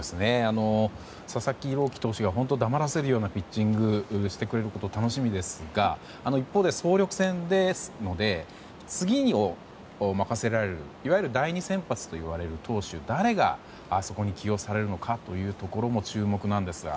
佐々木朗希投手が黙らせるようなピッチングをしてくれることは楽しみですが一方で総力戦ですので次を任せられる、いわゆる第２先発といわれる選手を誰がそこに起用されるのかというところも注目なんですが。